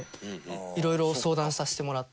いろいろ相談させてもらって。